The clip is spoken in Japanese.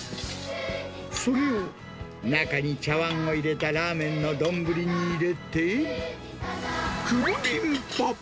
それを中に茶わんを入れたラーメンの丼に入れて、くるりんぱ。